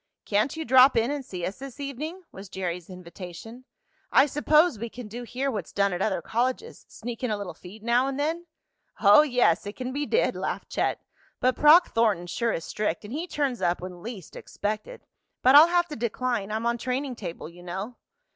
"Can't you drop in and see us this evening?" was Jerry's invitation. "I suppose we can do here what's done at other colleges sneak in a little feed now and then?" "Oh, yes, it can be did!" laughed Chet. "But Proc Thornton sure is strict, and he turns up when least expected. But I'll have to decline. I'm on training table you know."